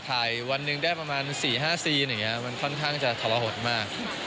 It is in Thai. ถ่ายวันหนึ่งได้ประมาณ๔๕ซีนมันค่อนข้างจะทะละหดมาก